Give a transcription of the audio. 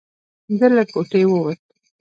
ده له کوټې ووت.